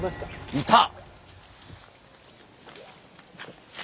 いた？